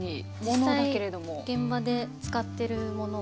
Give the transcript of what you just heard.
実際現場で使ってるものを。